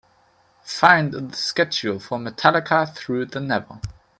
Find the schedule for Metallica Through the Never.